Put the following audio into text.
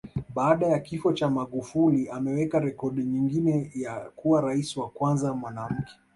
Baada ya kifo cha Magufuli ameweka rekodi nyingine ya kuwa Rais wa kwanza mwanamke